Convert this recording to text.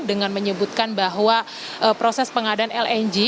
dengan menyebutkan bahwa proses pengadaan lng